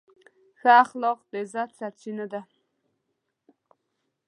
ښه اخلاق د عزت سرچینه ده.